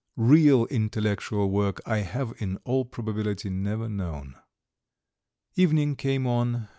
Real intellectual work I have in all probability never known. Evening came on.